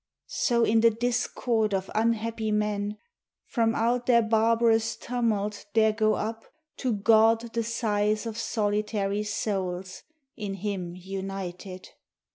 So in the discord of unhappy men, From out their barbarous tumult there go up To God the sighs of solitary souls In Him united.